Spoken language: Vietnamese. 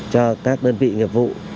cho các đơn vị nghiệp vụ